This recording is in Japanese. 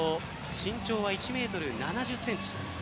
身長は１ｍ７０ｃｍ。